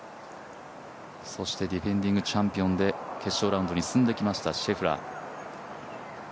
そしてディフェンディングチャンピオンで決勝ラウンドに来ましたシェフラー。